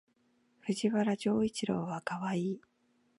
藤原丈一郎はかわいい